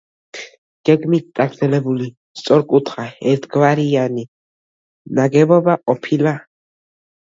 გეგმით წაგრძელებული სწორკუთხა ერთნავიანი ნაგებობა ყოფილა.